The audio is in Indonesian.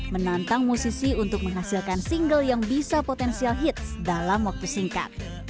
menantang musisi untuk menghasilkan single yang bisa potensial hits dalam waktu singkat